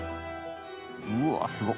うわすごっ。